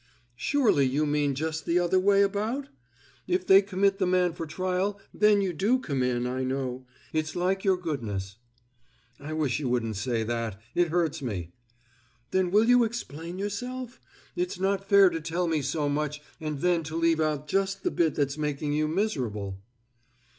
"Surely you mean just the other way about? If they commit the man for trial, then you do come in, I know. It's like your goodness." "I wish you wouldn't say that! It hurts me!" "Then will you explain yourself? It's not fair to tell me so much, and then to leave out just the bit that's making you miserable!"